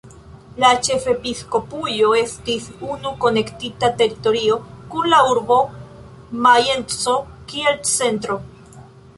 La "ĉefepiskopujo" estis unu konektita teritorio kun la urbo Majenco kiel centro.